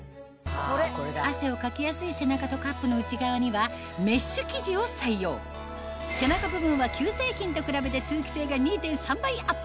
汗をかきやすい背中とカップの内側にはメッシュ生地を採用背中部分は製品と比べて通気性が２．３倍アップ